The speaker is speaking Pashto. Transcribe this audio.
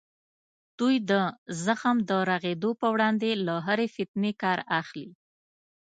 دوی د زخم د رغېدو په وړاندې له هرې فتنې کار اخلي.